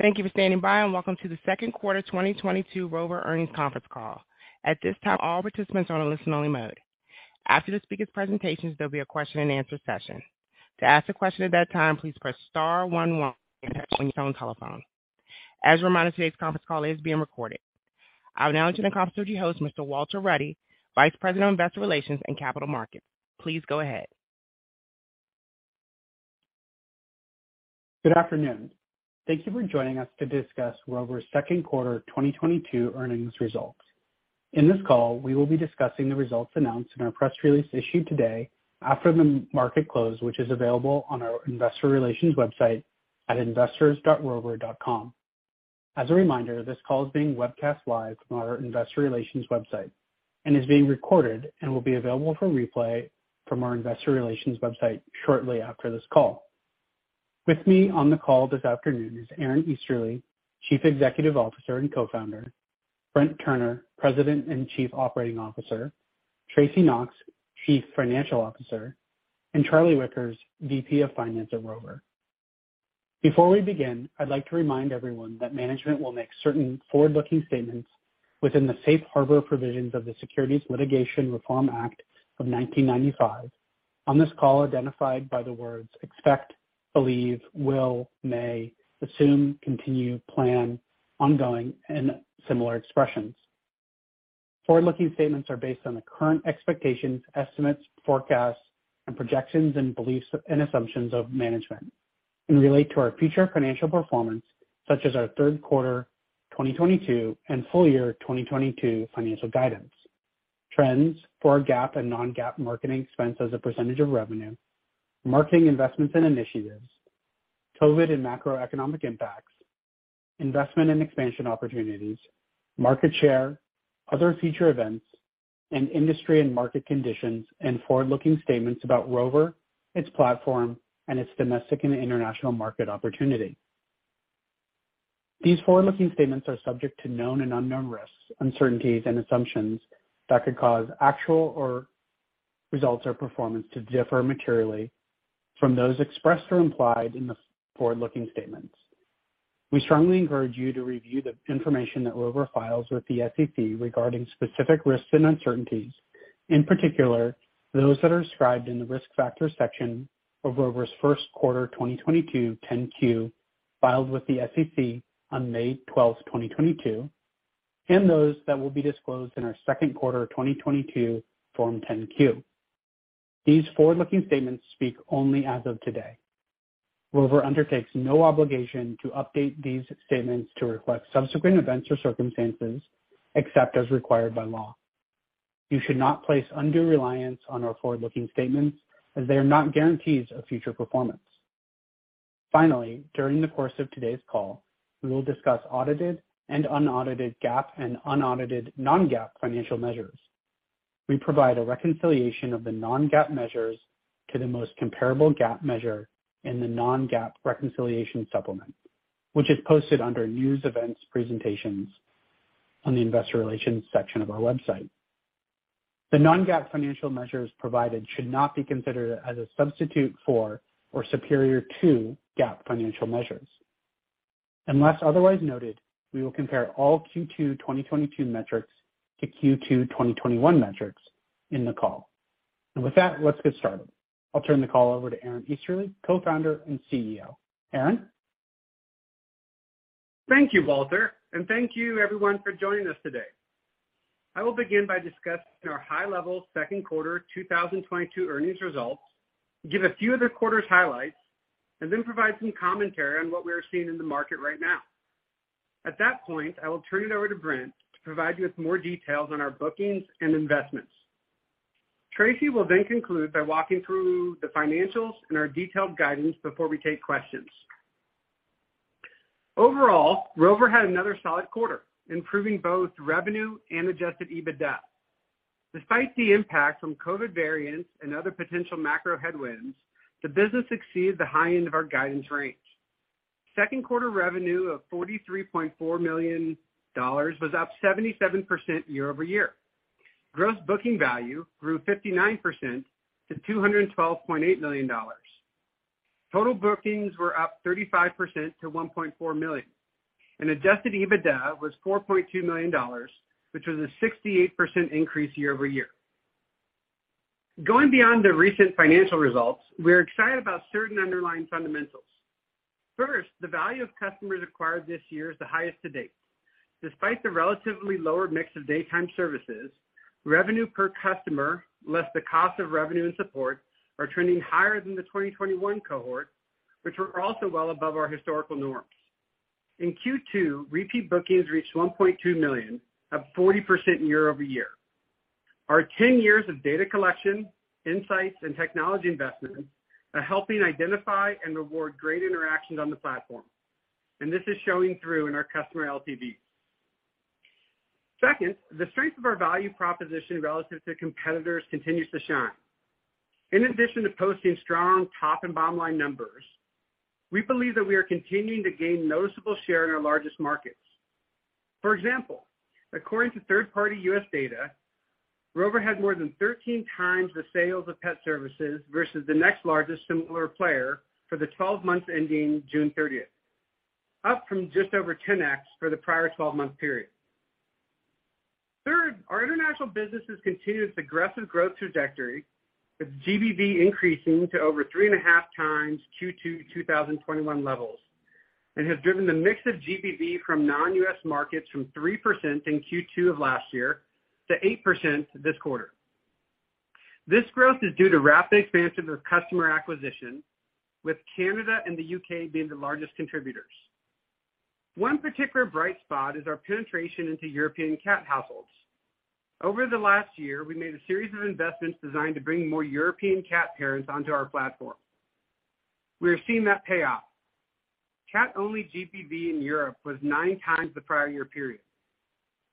Thank you for standing by, and welcome to the second quarter 2022 Rover earnings conference call. At this time, all participants are on a listen only mode. After the speaker's presentations, there'll be a question-and-answer session. To ask a question at that time, please press star one one on your telephone. As a reminder, today's conference call is being recorded. I will now turn the conference over to your host, Mr. Walter Ruddy, Vice President of Investor Relations and Capital Markets. Please go ahead. Good afternoon. Thank you for joining us to discuss Rover's second quarter 2022 earnings results. In this call, we will be discussing the results announced in our press release issued today after the market close, which is available on our investor relations website at investors.rover.com. As a reminder, this call is being webcast live from our investor relations website and is being recorded and will be available for replay from our investor relations website shortly after this call. With me on the call this afternoon is Aaron Easterly, Chief Executive Officer and Co-founder, Brent Turner, President and Chief Operating Officer, Tracy Knox, Chief Financial Officer, and Charlie Wickers, VP of Finance at Rover. Before we begin, I'd like to remind everyone that management will make certain forward-looking statements within the Safe Harbor provisions of the Private Securities Litigation Reform Act of 1995 on this call identified by the words expect, believe, will, may, assume, continue, plan, ongoing and similar expressions. Forward-looking statements are based on the current expectations, estimates, forecasts, and projections and beliefs and assumptions of management and relate to our future financial performance, such as our third quarter 2022 and full year 2022 financial guidance, trends for GAAP and non-GAAP marketing expense as a percentage of revenue, marketing investments and initiatives, COVID and macroeconomic impacts, investment and expansion opportunities, market share, other future events, and industry and market conditions, and forward-looking statements about Rover, its platform, and its domestic and international market opportunity. These forward-looking statements are subject to known and unknown risks, uncertainties and assumptions that could cause actual results or performance to differ materially from those expressed or implied in the forward-looking statements. We strongly encourage you to review the information that Rover files with the SEC regarding specific risks and uncertainties, in particular those that are described in the Risk Factors section of Rover's first quarter 2022 10-Q, filed with the SEC on May 12, 2022, and those that will be disclosed in our second quarter 2022 Form 10-Q. These forward-looking statements speak only as of today. Rover undertakes no obligation to update these statements to reflect subsequent events or circumstances, except as required by law. You should not place undue reliance on our forward-looking statements as they are not guarantees of future performance. Finally, during the course of today's call, we will discuss audited and unaudited GAAP and unaudited non-GAAP financial measures. We provide a reconciliation of the non-GAAP measures to the most comparable GAAP measure in the non-GAAP reconciliation supplement, which is posted under News Events Presentations on the Investor Relations section of our website. The non-GAAP financial measures provided should not be considered as a substitute for or superior to GAAP financial measures. Unless otherwise noted, we will compare all Q2 2022 metrics to Q2 2021 metrics in the call. With that, let's get started. I'll turn the call over to Aaron Easterly, Co-founder and CEO. Aaron? Thank you, Walter, and thank you everyone for joining us today. I will begin by discussing our high-level second quarter 2022 earnings results, give a few of the quarter's highlights, and then provide some commentary on what we are seeing in the market right now. At that point, I will turn it over to Brent to provide you with more details on our bookings and investments. Tracy will then conclude by walking through the financials and our detailed guidance before we take questions. Overall, Rover had another solid quarter, improving both revenue and adjusted EBITDA. Despite the impact from COVID variants and other potential macro headwinds, the business exceeds the high end of our guidance range. Second quarter revenue of $43.4 million was up 77% year-over-year. Gross booking value grew 59% to $212.8 million. Total bookings were up 35% to $1.4 million. Adjusted EBITDA was $4.2 million, which was a 68% increase year-over-year. Going beyond the recent financial results, we are excited about certain underlying fundamentals. First, the value of customers acquired this year is the highest to date. Despite the relatively lower mix of daytime services, revenue per customer, less the cost of revenue and support are trending higher than the 2021 cohort, which were also well above our historical norms. In Q2, repeat bookings reached $1.2 million, up 40% year-over-year. Our 10 years of data collection, insights and technology investments are helping identify and reward great interactions on the platform, and this is showing through in our customer LTV. Second, the strength of our value proposition relative to competitors continues to shine. In addition to posting strong top and bottom line numbers, we believe that we are continuing to gain noticeable share in our largest markets. For example, according to third-party U.S. data, Rover had more than 13x the sales of pet services versus the next largest similar player for the 12 months ending June 30, up from just over 10x for the prior 12-month period. Third, our international business has continued its aggressive growth trajectory, with GBV increasing to over 3.5x Q2 2021 levels, and has driven the mix of GBV from non-U.S. markets from 3% in Q2 of last year to 8% this quarter. This growth is due to rapid expansion of customer acquisition, with Canada and the U.K. being the largest contributors. One particular bright spot is our penetration into European cat households. Over the last year, we made a series of investments designed to bring more European cat parents onto our platform. We are seeing that pay off. Cat-only GBV in Europe was 9x the prior year period.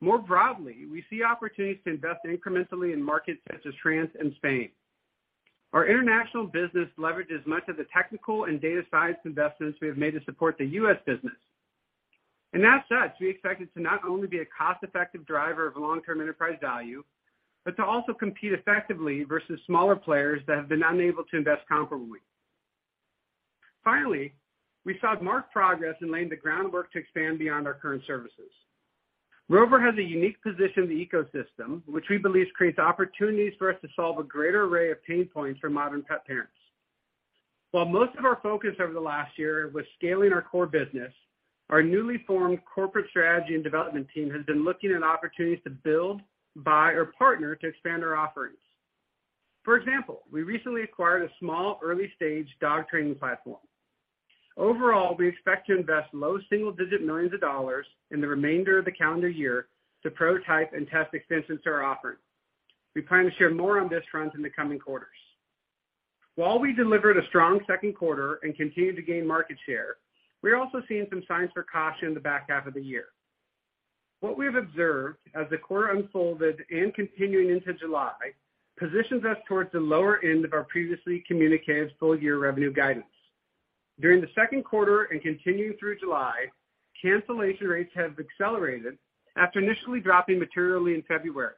More broadly, we see opportunities to invest incrementally in markets such as France and Spain. Our international business leverages much of the technical and data science investments we have made to support the U.S. business. As such, we expect it to not only be a cost-effective driver of long-term enterprise value, but to also compete effectively versus smaller players that have been unable to invest comparably. Finally, we saw marked progress in laying the groundwork to expand beyond our current services. Rover has a unique position in the ecosystem, which we believe creates opportunities for us to solve a greater array of pain points for modern pet parents. While most of our focus over the last year was scaling our core business, our newly formed corporate strategy and development team has been looking at opportunities to build, buy, or partner to expand our offerings. For example, we recently acquired a small early-stage dog training platform. Overall, we expect to invest low single-digit millions dollars in the remainder of the calendar year to prototype and test extensions to our offering. We plan to share more on this front in the coming quarters. While we delivered a strong second quarter and continued to gain market share, we are also seeing some signs for caution in the back half of the year. What we have observed as the quarter unfolded and continuing into July positions us towards the lower end of our previously communicated full year revenue guidance. During the second quarter and continuing through July, cancellation rates have accelerated after initially dropping materially in February.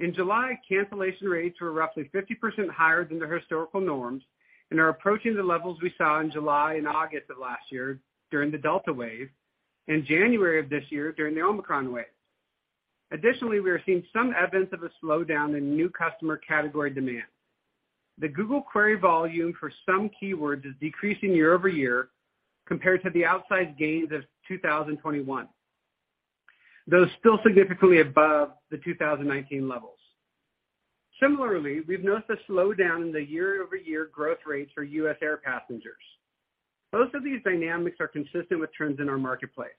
In July, cancellation rates were roughly 50% higher than their historical norms and are approaching the levels we saw in July and August of last year during the Delta wave and January of this year during the Omicron wave. Additionally, we are seeing some evidence of a slowdown in new customer category demand. The Google query volume for some keywords is decreasing year-over-year compared to the outsized gains of 2021. Those still significantly above the 2019 levels. Similarly, we've noticed a slowdown in the year-over-year growth rates for U.S. air passengers. Both of these dynamics are consistent with trends in our marketplace.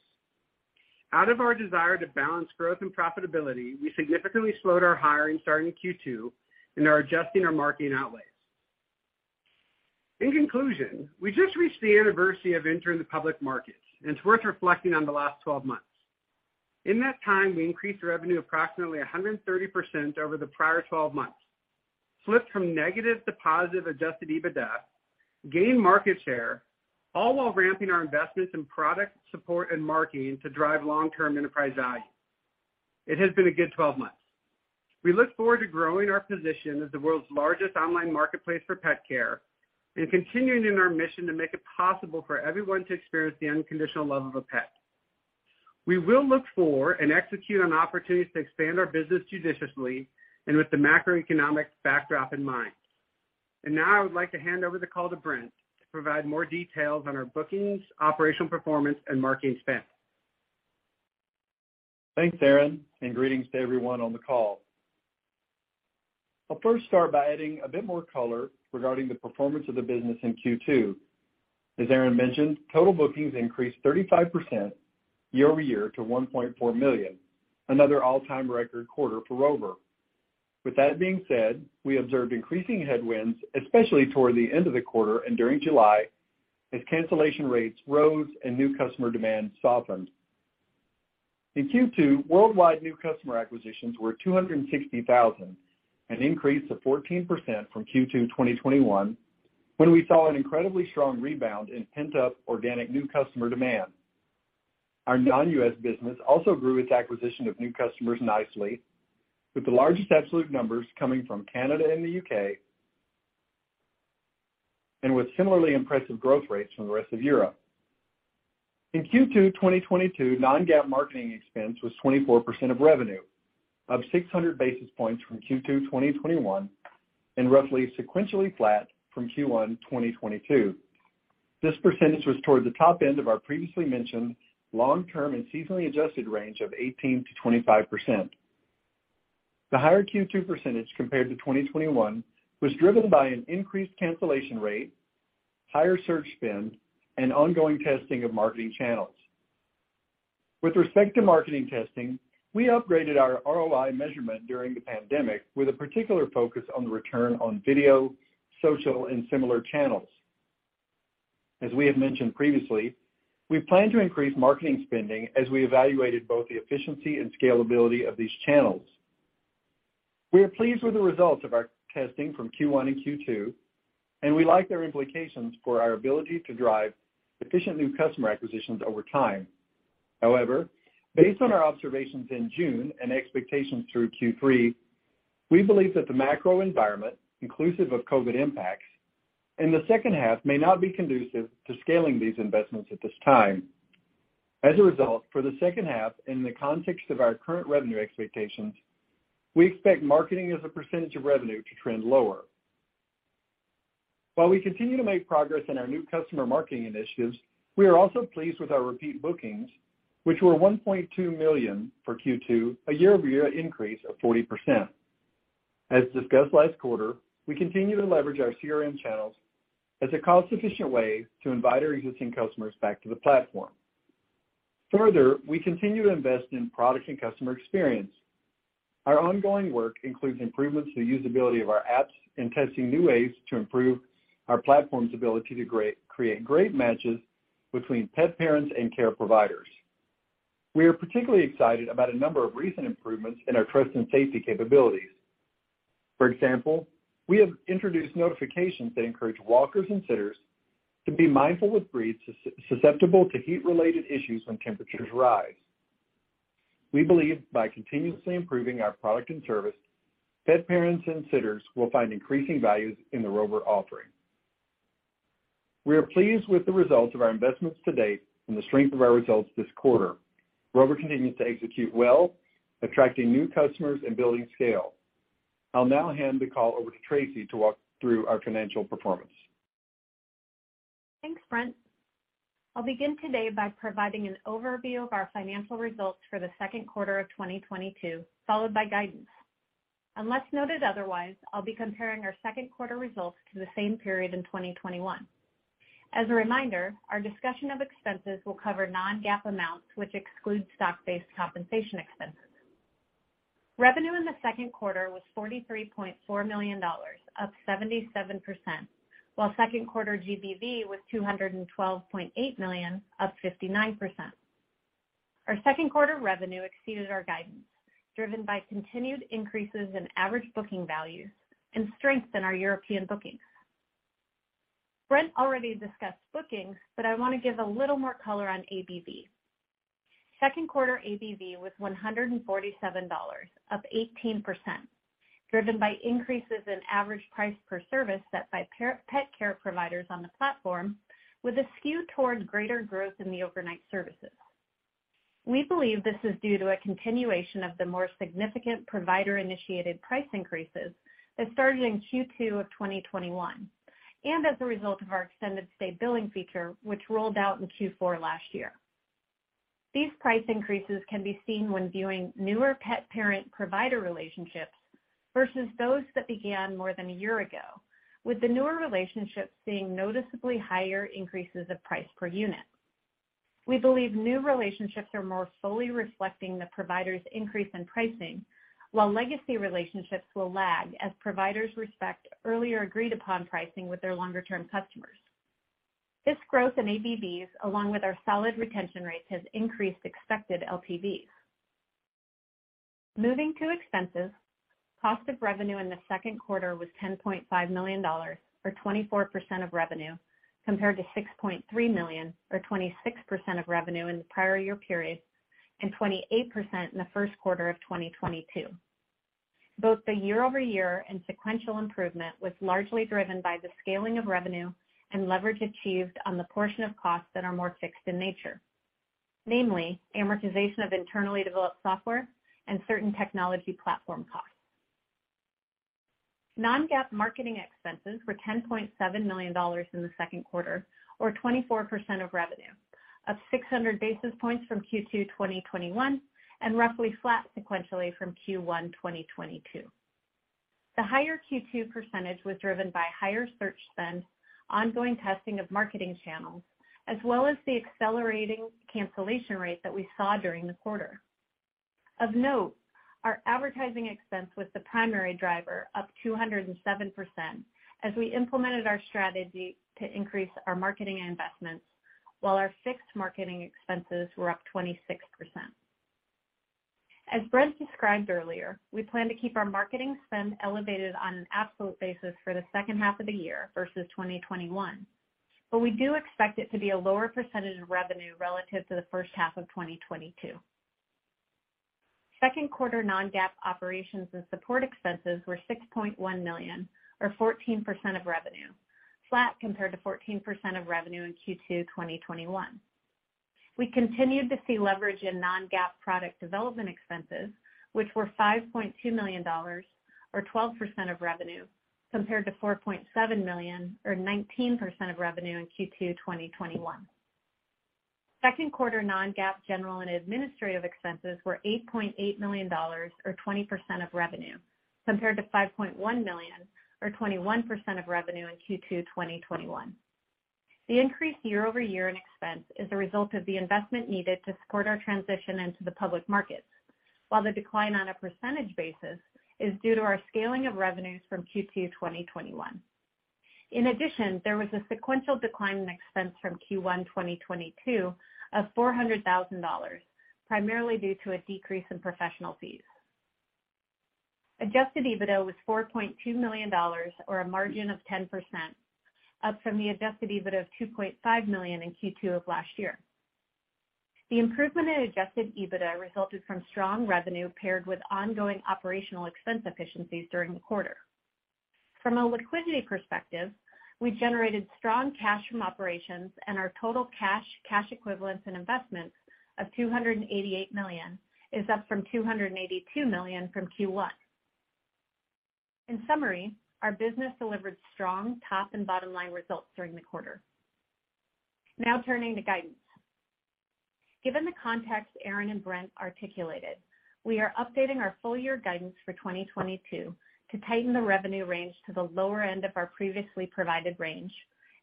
Out of our desire to balance growth and profitability, we significantly slowed our hiring starting in Q2 and are adjusting our marketing outlays. In conclusion, we just reached the anniversary of entering the public markets, and it's worth reflecting on the last 12 months. In that time, we increased revenue approximately 130% over the prior 12 months, flipped from negative to positive adjusted EBITDA, gained market share, all while ramping our investments in product support and marketing to drive long-term enterprise value. It has been a good 12 months. We look forward to growing our position as the world's largest online marketplace for pet care and continuing in our mission to make it possible for everyone to experience the unconditional love of a pet. We will look for and execute on opportunities to expand our business judiciously and with the macroeconomic backdrop in mind. Now I would like to hand over the call to Brent to provide more details on our bookings, operational performance, and marketing spend. Thanks, Aaron, and greetings to everyone on the call. I'll first start by adding a bit more color regarding the performance of the business in Q2. As Aaron mentioned, total bookings increased 35% year-over-year to 1.4 million, another all-time record quarter for Rover. With that being said, we observed increasing headwinds, especially toward the end of the quarter and during July, as cancellation rates rose and new customer demand softened. In Q2, worldwide new customer acquisitions were 260,000, an increase of 14% from Q2 2021, when we saw an incredibly strong rebound in pent-up organic new customer demand. Our non-U.S. business also grew its acquisition of new customers nicely, with the largest absolute numbers coming from Canada and the U.K. and with similarly impressive growth rates from the rest of Europe. In Q2 2022, non-GAAP marketing expense was 24% of revenue, up 600 basis points from Q2 2021 and roughly sequentially flat from Q1 2022. This percentage was toward the top end of our previously mentioned long-term and seasonally adjusted range of 18%-25%. The higher Q2 percentage compared to 2021 was driven by an increased cancellation rate, higher search spend, and ongoing testing of marketing channels. With respect to marketing testing, we upgraded our ROI measurement during the pandemic with a particular focus on the return on video, social, and similar channels. As we had mentioned previously, we plan to increase marketing spending as we evaluated both the efficiency and scalability of these channels. We are pleased with the results of our testing from Q1 and Q2, and we like their implications for our ability to drive efficient new customer acquisitions over time. However, based on our observations in June and expectations through Q3, we believe that the macro environment, inclusive of COVID impacts in the second half, may not be conducive to scaling these investments at this time. As a result, for the second half, in the context of our current revenue expectations, we expect marketing as a percentage of revenue to trend lower. While we continue to make progress in our new customer marketing initiatives, we are also pleased with our repeat bookings, which were 1.2 million for Q2, a year-over-year increase of 40%. As discussed last quarter, we continue to leverage our CRM channels as a cost-efficient way to invite our existing customers back to the platform. Further, we continue to invest in product and customer experience. Our ongoing work includes improvements to the usability of our apps and testing new ways to improve our platform's ability to create great matches between pet parents and care providers. We are particularly excited about a number of recent improvements in our trust and safety capabilities. For example, we have introduced notifications that encourage walkers and sitters to be mindful with breeds susceptible to heat-related issues when temperatures rise. We believe by continuously improving our product and service, pet parents and sitters will find increasing values in the Rover offering. We are pleased with the results of our investments to date and the strength of our results this quarter. Rover continues to execute well, attracting new customers and building scale. I'll now hand the call over to Tracy to walk through our financial performance. Thanks, Brent. I'll begin today by providing an overview of our financial results for the second quarter of 2022, followed by guidance. Unless noted otherwise, I'll be comparing our second quarter results to the same period in 2021. As a reminder, our discussion of expenses will cover non-GAAP amounts, which exclude stock-based compensation expenses. Revenue in the second quarter was $43.4 million, up 77%, while second quarter GBV was $212.8 million, up 59%. Our second quarter revenue exceeded our guidance, driven by continued increases in average booking values and strength in our European bookings. Brent already discussed bookings, but I wanna give a little more color on ABV. Second quarter ABV was $147, up 18%, driven by increases in average price per service set by pet care providers on the platform with a skew towards greater growth in the overnight services. We believe this is due to a continuation of the more significant provider-initiated price increases that started in Q2 of 2021 and as a result of our extended stay billing feature which rolled out in Q4 last year. These price increases can be seen when viewing newer pet parent provider relationships versus those that began more than a year ago, with the newer relationships seeing noticeably higher increases of price per unit. We believe new relationships are more fully reflecting the provider's increase in pricing, while legacy relationships will lag as providers respect earlier agreed-upon pricing with their longer-term customers. This growth in ABVs, along with our solid retention rates, has increased expected LTVs. Moving to expenses, cost of revenue in the second quarter was $10.5 million, or 24% of revenue, compared to $6.3 million or 26% of revenue in the prior year period and 28% in the first quarter of 2022. Both the year-over-year and sequential improvement was largely driven by the scaling of revenue and leverage achieved on the portion of costs that are more fixed in nature, namely amortization of internally developed software and certain technology platform costs. non-GAAP marketing expenses were $10.7 million in the second quarter or 24% of revenue, up 600 basis points from Q2 2021 and roughly flat sequentially from Q1 2022. The higher Q2 percentage was driven by higher search spend, ongoing testing of marketing channels, as well as the accelerating cancellation rate that we saw during the quarter. Of note, our advertising expense was the primary driver, up 207%, as we implemented our strategy to increase our marketing investments while our fixed marketing expenses were up 26%. As Brent described earlier, we plan to keep our marketing spend elevated on an absolute basis for the second half of the year versus 2021, but we do expect it to be a lower percentage of revenue relative to the first half of 2022. Second quarter non-GAAP operations and support expenses were $6.1 million or 14% of revenue, flat compared to 14% of revenue in Q2 2021. We continued to see leverage in non-GAAP product development expenses, which were $5.2 million or 12% of revenue, compared to $4.7 million or 19% of revenue in Q2 2021. Second quarter non-GAAP general and administrative expenses were $8.8 million or 20% of revenue, compared to $5.1 million or 21% of revenue in Q2 2021. The increase year-over-year in expense is a result of the investment needed to support our transition into the public markets, while the decline on a percentage basis is due to our scaling of revenues from Q2 2021. In addition, there was a sequential decline in expense from Q1 2022 of $400 thousand, primarily due to a decrease in professional fees. Adjusted EBITDA was $4.2 million or a margin of 10%, up from the adjusted EBITDA of $2.5 million in Q2 of last year. The improvement in adjusted EBITDA resulted from strong revenue paired with ongoing operational expense efficiencies during the quarter. From a liquidity perspective, we generated strong cash from operations and our total cash equivalents and investments of $288 million is up from $282 million from Q1. In summary, our business delivered strong top and bottom line results during the quarter. Now turning to guidance. Given the context Aaron and Brent articulated, we are updating our full year guidance for 2022 to tighten the revenue range to the lower end of our previously provided range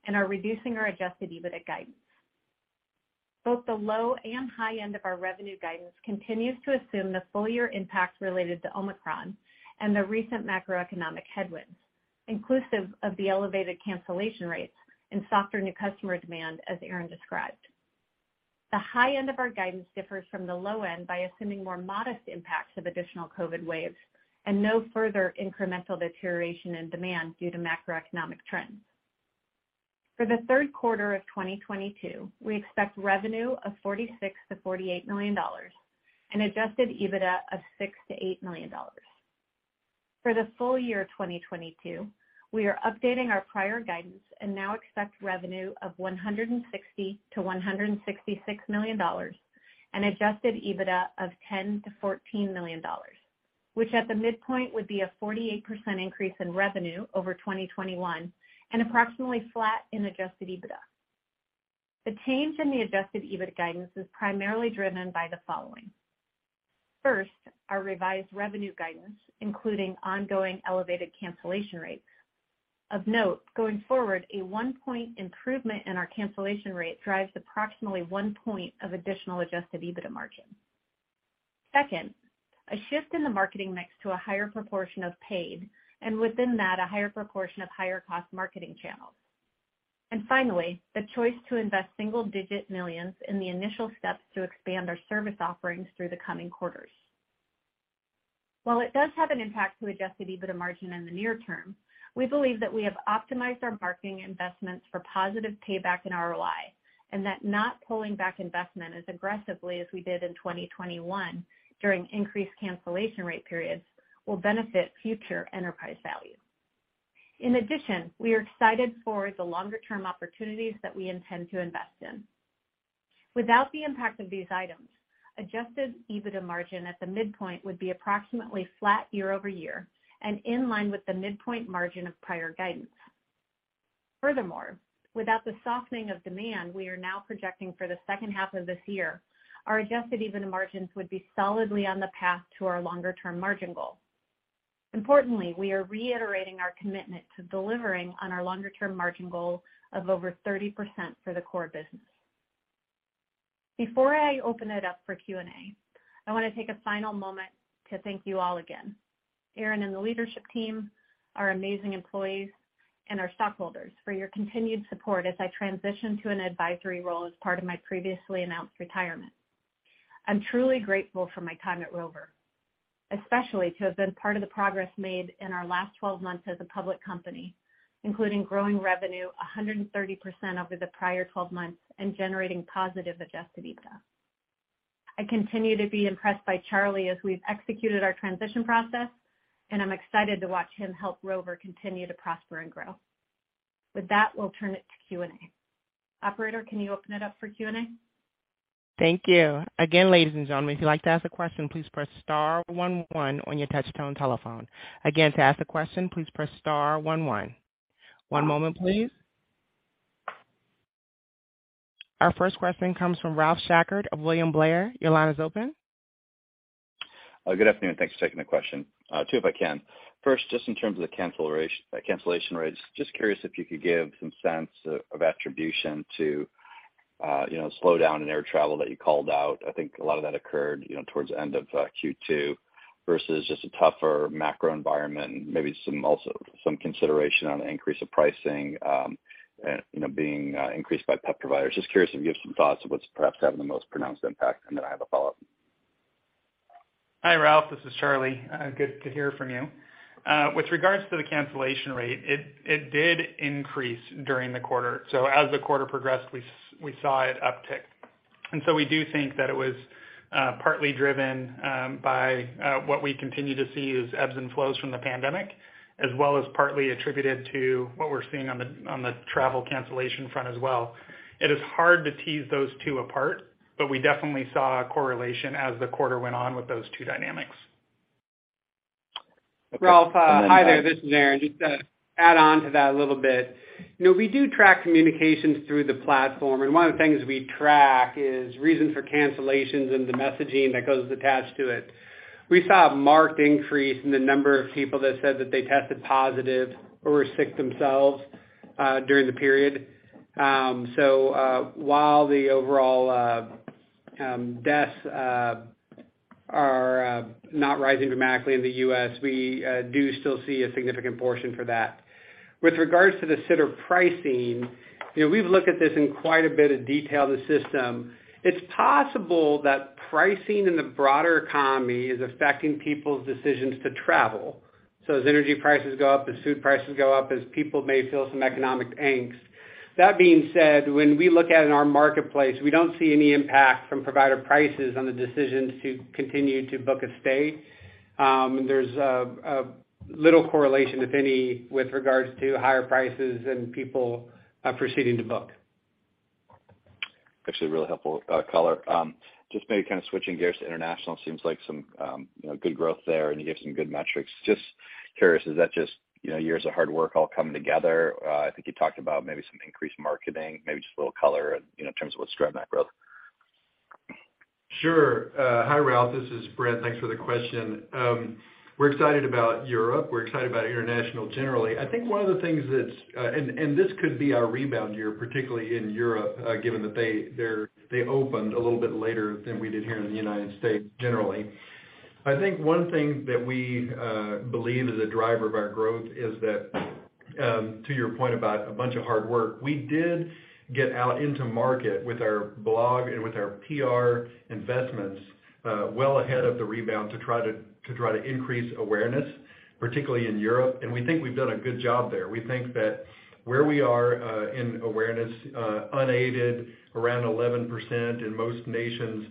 and are reducing our adjusted EBITDA guidance. Both the low and high end of our revenue guidance continues to assume the full year impacts related to Omicron and the recent macroeconomic headwinds, inclusive of the elevated cancellation rates and softer new customer demand, as Aaron described. The high end of our guidance differs from the low end by assuming more modest impacts of additional COVID waves and no further incremental deterioration in demand due to macroeconomic trends. For the third quarter of 2022, we expect revenue of $46 million-$48 million and adjusted EBITDA of $6 million-$8 million. For the full year 2022, we are updating our prior guidance and now expect revenue of $160 million-$166 million and adjusted EBITDA of $10 million-$14 million, which at the midpoint would be a 48% increase in revenue over 2021 and approximately flat in adjusted EBITDA. The change in the adjusted EBITDA guidance is primarily driven by the following. First, our revised revenue guidance, including ongoing elevated cancellation rates. Of note, going forward, a one point improvement in our cancellation rate drives approximately one point of additional adjusted EBITDA margin. Second, a shift in the marketing mix to a higher proportion of paid, and within that, a higher proportion of higher cost marketing channels. Finally, the choice to invest single-digit millions in the initial steps to expand our service offerings through the coming quarters. While it does have an impact to adjusted EBITDA margin in the near term, we believe that we have optimized our marketing investments for positive payback in ROI, and that not pulling back investment as aggressively as we did in 2021 during increased cancellation rate periods will benefit future enterprise value. In addition, we are excited for the longer term opportunities that we intend to invest in. Without the impact of these items, adjusted EBITDA margin at the midpoint would be approximately flat year-over-year and in line with the midpoint margin of prior guidance. Furthermore, without the softening of demand we are now projecting for the second half of this year, our adjusted EBITDA margins would be solidly on the path to our longer-term margin goal. Importantly, we are reiterating our commitment to delivering on our longer-term margin goal of over 30% for the core business. Before I open it up for Q&A, I wanna take a final moment to thank you all again, Aaron and the leadership team, our amazing employees, and our stockholders for your continued support as I transition to an advisory role as part of my previously announced retirement. I'm truly grateful for my time at Rover, especially to have been part of the progress made in our last 12 months as a public company, including growing revenue 130% over the prior 12 months and generating positive adjusted EBITDA. I continue to be impressed by Charlie as we've executed our transition process, and I'm excited to watch him help Rover continue to prosper and grow. With that, we'll turn it to Q&A. Operator, can you open it up for Q&A? Thank you. Again, ladies and gentlemen, if you'd like to ask a question, please press star one one on your touch-tone telephone. Again, to ask a question, please press star one one. One moment, please. Our first question comes from Ralph Schackart of William Blair. Your line is open. Good afternoon and thanks for taking the question. Two if I can. First, just in terms of the cancellation rates, just curious if you could give some sense of attribution to, you know, slowdown in air travel that you called out. I think a lot of that occurred, you know, towards the end of Q2, versus just a tougher macro environment and maybe some also consideration on increase of pricing, you know, being increased by pet providers. Just curious if you have some thoughts of what's perhaps having the most pronounced impact, and then I have a follow-up. Hi, Ralph. This is Charlie. Good to hear from you. With regards to the cancellation rate, it did increase during the quarter. As the quarter progressed, we saw it uptick. We do think that it was partly driven by what we continue to see is ebbs and flows from the pandemic, as well as partly attributed to what we're seeing on the travel cancellation front as well. It is hard to tease those two apart, but we definitely saw a correlation as the quarter went on with those two dynamics. Okay. Ralph, hi there. This is Aaron. Just to add on to that a little bit. You know, we do track communications through the platform, and one of the things we track is reasons for cancellations and the messaging that goes attached to it. We saw a marked increase in the number of people that said that they tested positive or were sick themselves, during the period. So, while the overall, deaths. Not rising dramatically in the U.S. We do still see a significant portion for that. With regards to the sitter pricing, you know, we've looked at this in quite a bit of detail in the system. It's possible that pricing in the broader economy is affecting people's decisions to travel as energy prices go up, as food prices go up, as people may feel some economic angst. That being said, when we look at it in our marketplace, we don't see any impact from provider prices on the decisions to continue to book a stay. There's little correlation, if any, with regards to higher prices and people proceeding to book. Actually, really helpful color. Just maybe kind of switching gears to international, seems like some you know, good growth there, and you gave some good metrics. Just curious, is that just you know, years of hard work all coming together? I think you talked about maybe some increased marketing, maybe just a little color in terms of what's driving that growth. Sure. Hi, Ralph. This is Brent. Thanks for the question. We're excited about Europe. We're excited about international generally. I think one of the things that's, and this could be our rebound year, particularly in Europe, given that they opened a little bit later than we did here in the United States, generally. I think one thing that we believe is a driver of our growth is that, to your point about a bunch of hard work, we did get out into market with our blog and with our PR investments, well ahead of the rebound to try to increase awareness, particularly in Europe, and we think we've done a good job there. We think that where we are in awareness, unaided around 11% in most nations,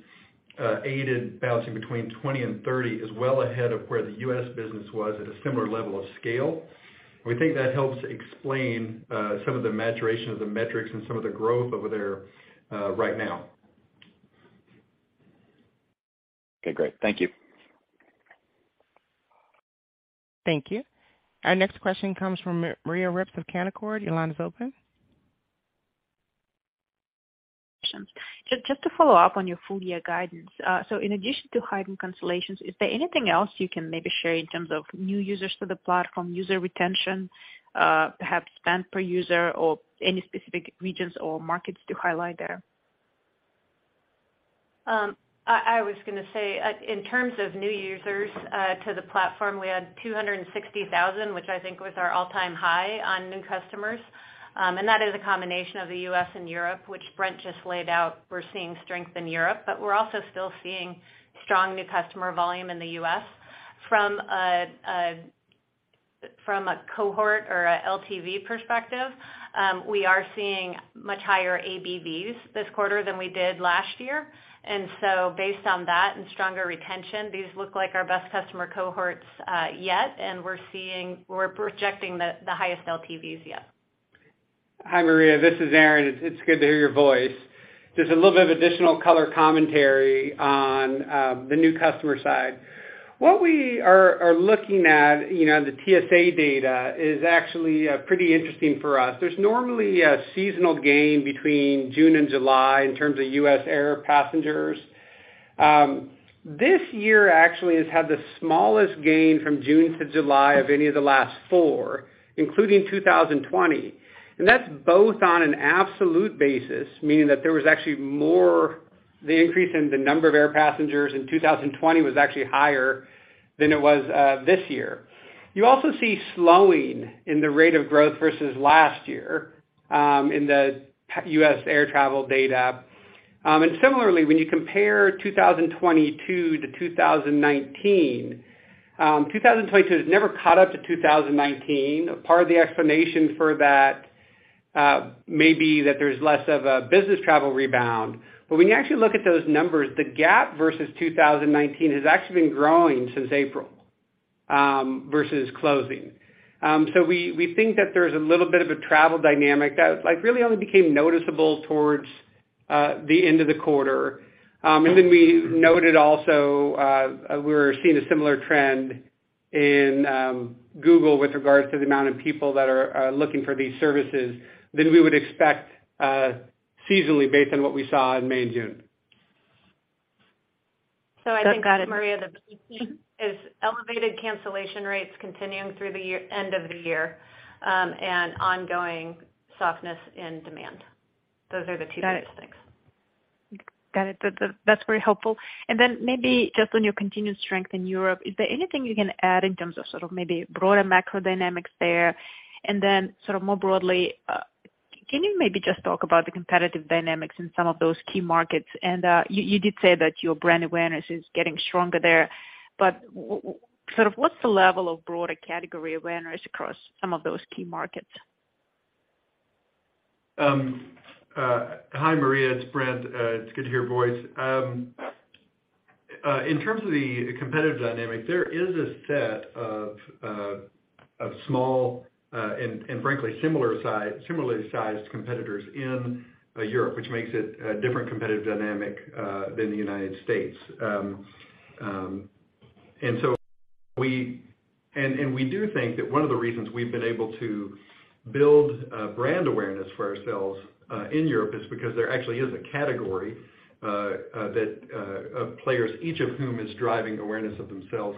aided bouncing between 20%-30% is well ahead of where the U.S. business was at a similar level of scale. We think that helps explain some of the maturation of the metrics and some of the growth over there right now. Okay, great. Thank you. Thank you. Our next question comes from Maria Ripps of Canaccord. Your line is open. Just to follow up on your full year guidance. In addition to heightened cancellations, is there anything else you can maybe share in terms of new users to the platform, user retention, perhaps spend per user or any specific regions or markets to highlight there? I was gonna say, in terms of new users to the platform, we had 260,000, which I think was our all-time high on new customers. That is a combination of the U.S. and Europe, which Brent just laid out. We're seeing strength in Europe, but we're also still seeing strong new customer volume in the U.S. From a cohort or a LTV perspective, we are seeing much higher ABVs this quarter than we did last year. Based on that and stronger retention, these look like our best customer cohorts yet, and we're projecting the highest LTVs yet. Hi, Maria, this is Aaron. It's good to hear your voice. Just a little bit of additional color commentary on the new customer side. What we are looking at, you know, the TSA data is actually pretty interesting for us. There's normally a seasonal gain between June and July in terms of U.S. air passengers. This year actually has had the smallest gain from June to July of any of the last four, including 2020. That's both on an absolute basis, meaning that the increase in the number of air passengers in 2020 was actually higher than it was this year. You also see slowing in the rate of growth versus last year in the U.S. air travel data. Similarly, when you compare 2022 to 2019, 2022 has never caught up to 2019. Part of the explanation for that may be that there's less of a business travel rebound. But when you actually look at those numbers, the gap versus 2019 has actually been growing since April, versus closing. We think that there's a little bit of a travel dynamic that like really only became noticeable towards the end of the quarter. We noted also, we're seeing a similar trend in Google with regards to the amount of people that are looking for these services than we would expect, seasonally based on what we saw in May and June. I think, Maria, the big theme is elevated cancellation rates continuing through the year, end of the year, and ongoing softness in demand. Those are the two biggest things. Got it. That's very helpful. Maybe just on your continued strength in Europe, is there anything you can add in terms of sort of maybe broader macro dynamics there? Sort of more broadly, can you maybe just talk about the competitive dynamics in some of those key markets? You did say that your brand awareness is getting stronger there, but sort of what's the level of broader category awareness across some of those key markets? Hi, Maria, it's Brent. It's good to hear your voice. In terms of the competitive dynamic, there is a set of small and frankly similarly sized competitors in Europe, which makes it a different competitive dynamic than the United States. We do think that one of the reasons we've been able to build brand awareness for ourselves in Europe is because there actually is a category of players, each of whom is driving awareness of themselves.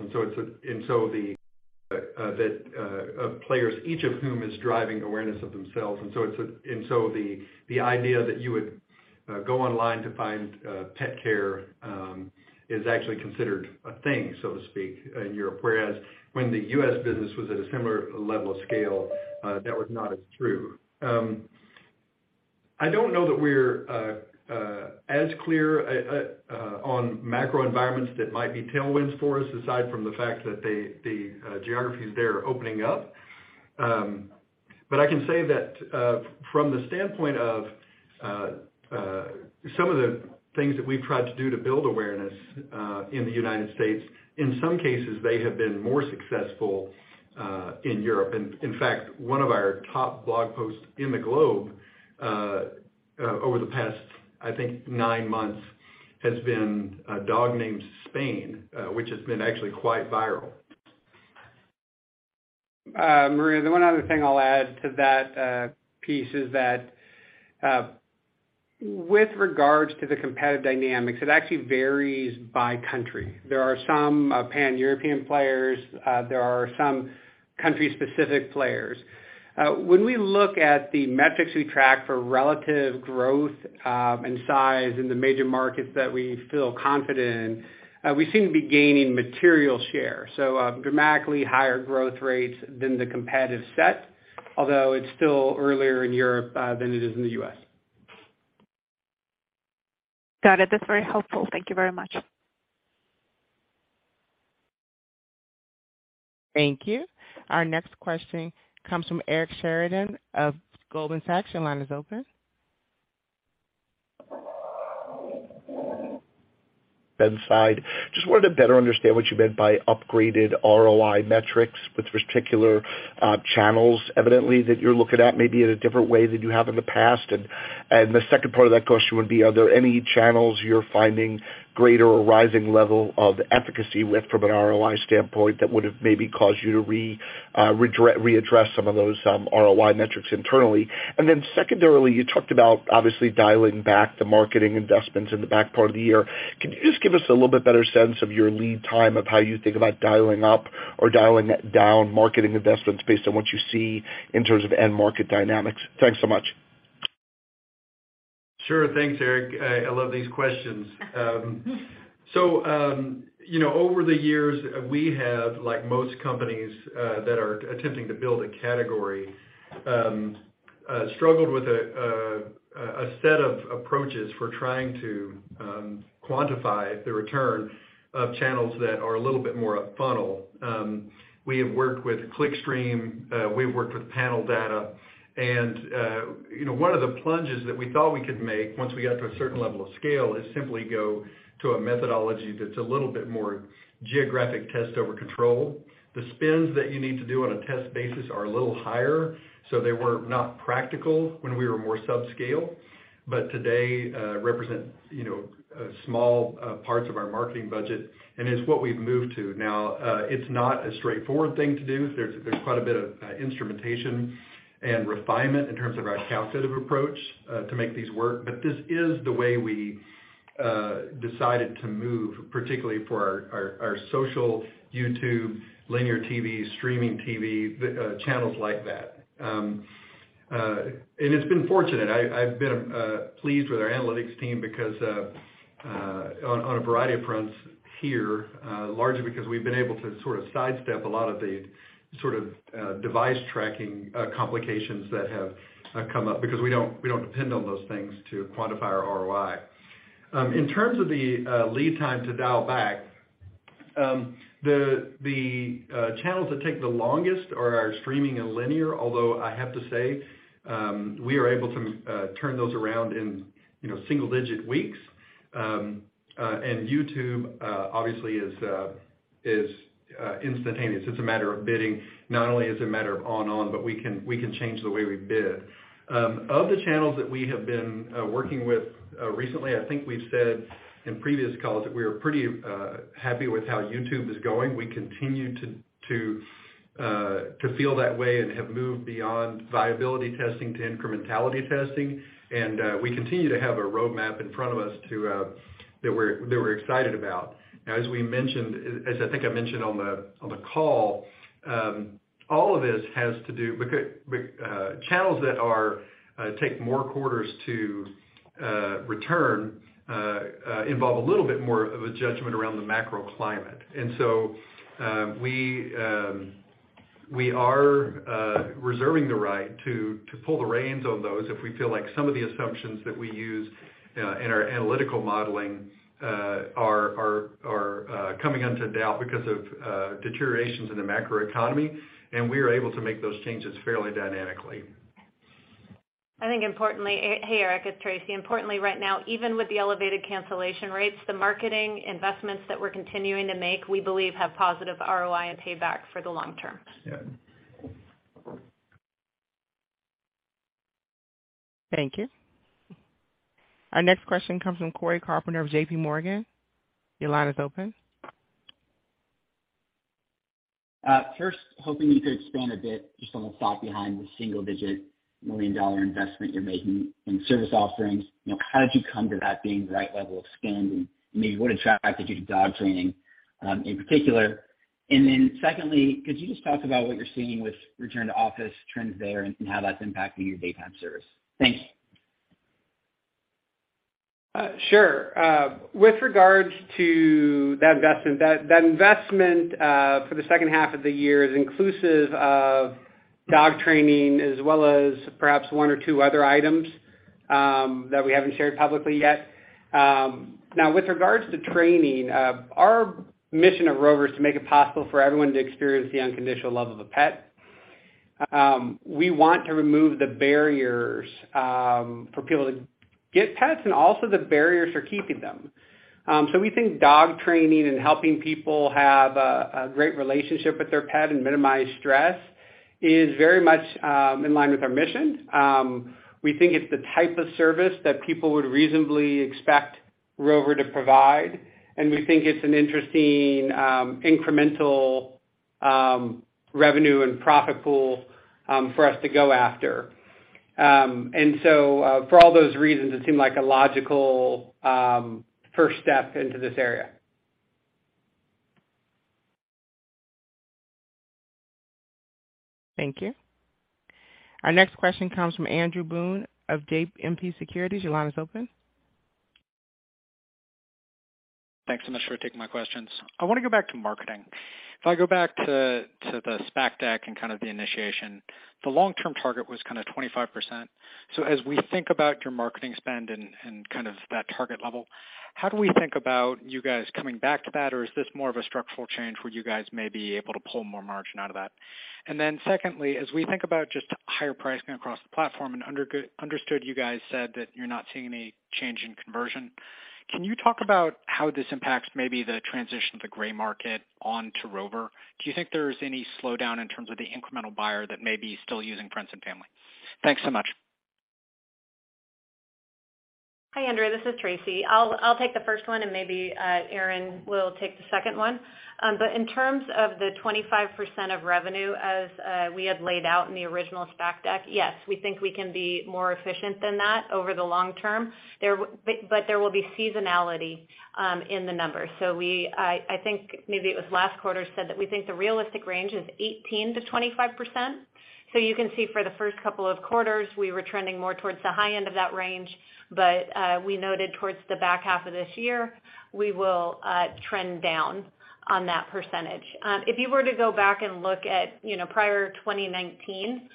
The idea that you would go online to find pet care is actually considered a thing, so to speak, in Europe. Whereas when the U.S. business was at a similar level of scale, that was not as true. I don't know that we're as clear on macro environments that might be tailwinds for us, aside from the fact that the geographies there are opening up. I can say that from the standpoint of some of the things that we've tried to do to build awareness in the United States, in some cases, they have been more successful in Europe. In fact, one of our top blog posts in the globe over the past, I think, nine months has been A Dog Named Spain, which has been actually quite viral. Maria, the one other thing I'll add to that piece is that, with regards to the competitive dynamics, it actually varies by country. There are some Pan-European players. There are some country-specific players. When we look at the metrics we track for relative growth and size in the major markets that we feel confident in, we seem to be gaining material share, so dramatically higher growth rates than the competitive set, although it's still earlier in Europe than it is in the U.S. Got it. That's very helpful. Thank you very much. Thank you. Our next question comes from Eric Sheridan of Goldman Sachs. Your line is open. Brent, my side. Just wanted to better understand what you meant by upgraded ROI metrics with particular channels evidently that you're looking at maybe in a different way than you have in the past. The second part of that question would be, are there any channels you're finding greater or rising level of efficacy with from an ROI standpoint that would have maybe caused you to readdress some of those ROI metrics internally? Secondarily, you talked about obviously dialing back the marketing investments in the back part of the year. Can you just give us a little bit better sense of your lead time of how you think about dialing up or dialing down marketing investments based on what you see in terms of end market dynamics? Thanks so much. Sure. Thanks, Eric. I love these questions. You know, over the years, we have, like most companies, that are attempting to build a category, struggled with a set of approaches for trying to quantify the return of channels that are a little bit more up funnel. We have worked with Clickstream, we've worked with panel data. You know, one of the plunges that we thought we could make once we got to a certain level of scale is simply go to a methodology that's a little bit more geographic test over control. The spends that you need to do on a test basis are a little higher, so they were not practical when we were more subscale, but today represent, you know, small parts of our marketing budget, and it's what we've moved to. Now, it's not a straightforward thing to do. There's quite a bit of instrumentation and refinement in terms of our account-based approach to make these work. This is the way we decided to move, particularly for our social, YouTube, linear TV, streaming TV, channels like that. It's been fortunate. I've been pleased with our analytics team because on a variety of fronts here, largely because we've been able to sort of sidestep a lot of the sort of device tracking complications that have come up because we don't depend on those things to quantify our ROI. In terms of the lead time to dial back, the channels that take the longest are our streaming and linear. Although I have to say, we are able to turn those around in, you know, single digit weeks. YouTube obviously is instantaneous. It's a matter of bidding, not only is it a matter of on/off, but we can change the way we bid. Of the channels that we have been working with recently, I think we've said in previous calls that we are pretty happy with how YouTube is going. We continue to feel that way and have moved beyond viability testing to incrementality testing. We continue to have a roadmap in front of us that we're excited about. Now, as we mentioned, as I think I mentioned on the call, all of this has to do with channels that take more quarters to return and involve a little bit more of a judgment around the macro climate. We are reserving the right to pull the reins on those if we feel like some of the assumptions that we use in our analytical modeling are coming into doubt because of deteriorations in the macro economy, and we are able to make those changes fairly dynamically. Hey, Eric, it's Tracy. Importantly, right now, even with the elevated cancellation rates, the marketing investments that we're continuing to make, we believe have positive ROI and payback for the long term. Yeah. Thank you. Our next question comes from Cory Carpenter of JPMorgan. Your line is open. First, hoping you could expand a bit just on the thought behind the $1 million-$9 million investment you're making in service offerings. You know, how did you come to that being the right level of spend? Maybe what attracted you to dog training in particular? Secondly, could you just talk about what you're seeing with return to office trends there and how that's impacting your daytime service? Thanks. Sure. With regards to that investment for the second half of the year is inclusive of dog training as well as perhaps one or two other items that we haven't shared publicly yet. Now with regards to training, our mission at Rover is to make it possible for everyone to experience the unconditional love of a pet. We want to remove the barriers for people to get pets and also the barriers for keeping them. We think dog training and helping people have a great relationship with their pet and minimize stress is very much in line with our mission. We think it's the type of service that people would reasonably expect Rover to provide, and we think it's an interesting incremental revenue and profit pool for us to go after. For all those reasons, it seemed like a logical first step into this area. Thank you. Our next question comes from Andrew Boone of JMP Securities. Your line is open. Thanks so much for taking my questions. I wanna go back to marketing. If I go back to the SPAC deck and kind of the initiation, the long-term target was kind of 25%. As we think about your marketing spend and kind of that target level, how do we think about you guys coming back to that? Is this more of a structural change where you guys may be able to pull more margin out of that? Secondly, as we think about just higher pricing across the platform, and I understand you guys said that you're not seeing any change in conversion, can you talk about how this impacts maybe the transition of the gray market on to Rover? Do you think there's any slowdown in terms of the incremental buyer that may be still using friends and family? Thanks so much. Hi, Andrew. This is Tracy. I'll take the first one and maybe Aaron will take the second one. In terms of the 25% of revenue as we had laid out in the original SPAC deck, yes, we think we can be more efficient than that over the long term. There will be seasonality in the numbers. I think maybe it was last quarter we said that we think the realistic range is 18%-25%. You can see for the first couple of quarters, we were trending more towards the high end of that range. We noted towards the back half of this year, we will trend down on that percentage. If you were to go back and look at, you know, prior to 2019,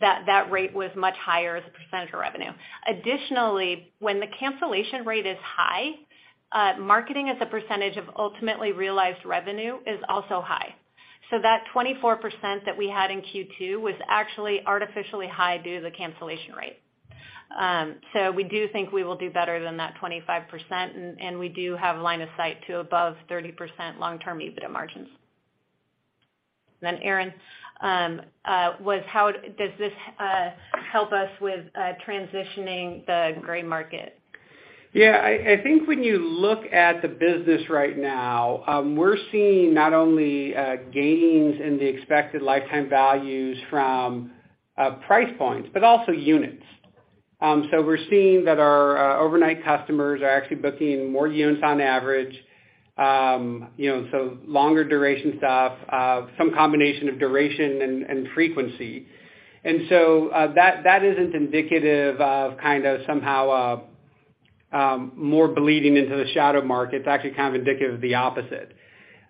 that rate was much higher as a percentage of revenue. Additionally, when the cancellation rate is high, marketing as a percentage of ultimately realized revenue is also high. That 24% that we had in Q2 was actually artificially high due to the cancellation rate. We do think we will do better than that 25%, and we do have line of sight to above 30% long-term EBITDA margins. Aaron, how does this help us with transitioning the gray market? Yeah, I think when you look at the business right now, we're seeing not only gains in the expected lifetime values from price points, but also units. So we're seeing that our overnight customers are actually booking more units on average, you know, so longer duration stuff, some combination of duration and frequency. That isn't indicative of kind of somehow more bleeding into the shadow market. It's actually kind of indicative of the opposite.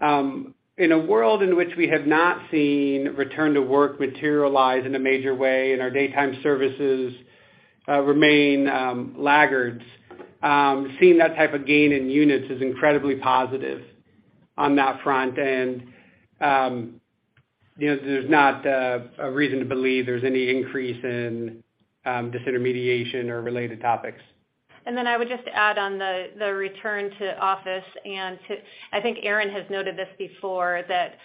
In a world in which we have not seen return to work materialize in a major way and our daytime services remain laggards, seeing that type of gain in units is incredibly positive on that front. You know, there's not a reason to believe there's any increase in disintermediation or related topics. I would just add on the return to office. I think Aaron has noted this before, that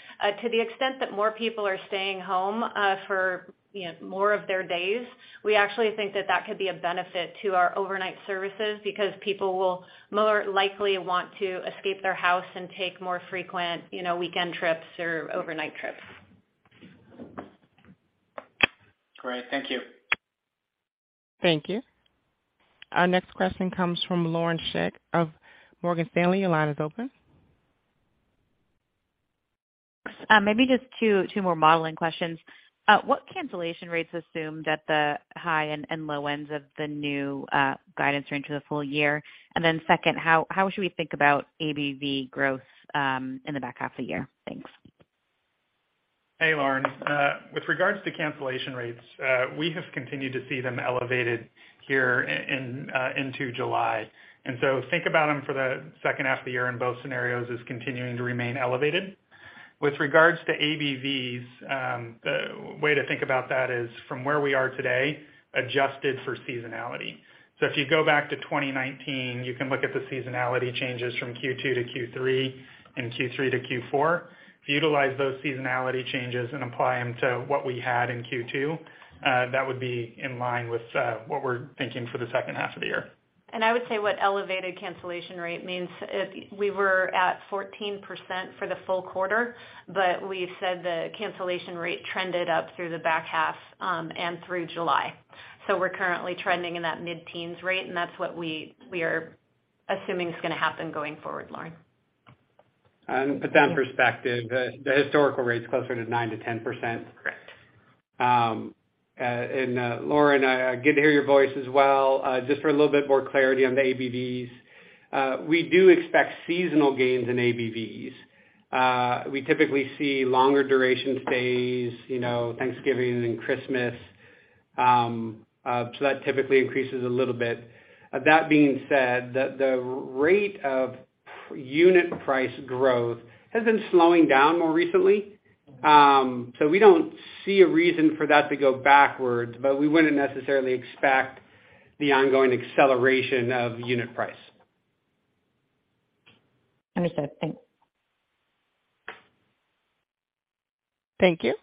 to the extent that more people are staying home for you know more of their days, we actually think that could be a benefit to our overnight services because people will more likely want to escape their house and take more frequent you know weekend trips or overnight trips. Great. Thank you. Thank you. Our next question comes from Lauren Schenk of Morgan Stanley. Your line is open. Maybe just two more modeling questions. What cancellation rates assumed at the high and low ends of the new guidance range for the full year? Second, how should we think about ABV growth in the back half of the year? Thanks. Hey, Lauren. With regards to cancellation rates, we have continued to see them elevated here into July. Think about them for the second half of the year in both scenarios as continuing to remain elevated. With regards to ABVs, the way to think about that is from where we are today, adjusted for seasonality. If you go back to 2019, you can look at the seasonality changes from Q2 to Q3 and Q3 to Q4. If you utilize those seasonality changes and apply them to what we had in Q2, that would be in line with what we're thinking for the second half of the year. I would say what elevated cancellation rate means, if we were at 14% for the full quarter, but we've said the cancellation rate trended up through the back half, and through July. We're currently trending in that mid-teens% rate, and that's what we are assuming is gonna happen going forward, Lauren. Put that in perspective, the historical rate's closer to 9%-10%. Correct. Lauren, good to hear your voice as well. Just for a little bit more clarity on the ABVs, we do expect seasonal gains in ABVs. We typically see longer duration stays, you know, Thanksgiving and Christmas. That typically increases a little bit. That being said, the rate of unit price growth has been slowing down more recently. We don't see a reason for that to go backwards, but we wouldn't necessarily expect the ongoing acceleration of unit price. Understood. Thanks. Thank you.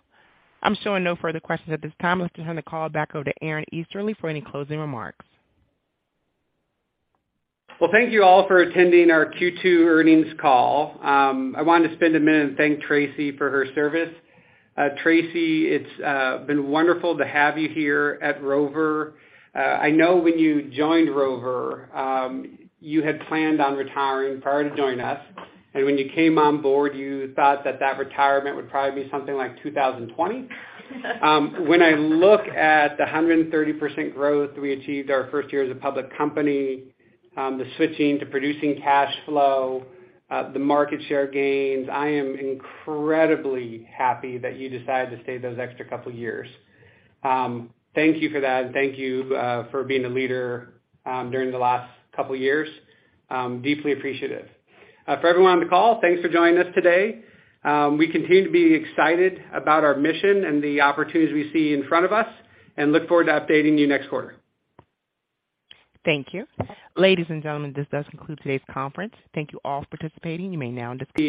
I'm showing no further questions at this time. Let's return the call back over to Aaron Easterly for any closing remarks. Well, thank you all for attending our Q2 earnings call. I wanted to spend a minute and thank Tracy for her service. Tracy, it's been wonderful to have you here at Rover. I know when you joined Rover, you had planned on retiring prior to joining us. When you came on board, you thought that retirement would probably be something like 2020. When I look at the 130% growth we achieved our first year as a public company, the switching to producing cash flow, the market share gains, I am incredibly happy that you decided to stay those extra couple years. Thank you for that, and thank you for being a leader during the last couple years. Deeply appreciative. For everyone on the call, thanks for joining us today. We continue to be excited about our mission and the opportunities we see in front of us and look forward to updating you next quarter. Thank you. Ladies and gentlemen, this does conclude today's conference. Thank you all for participating. You may now disconnect.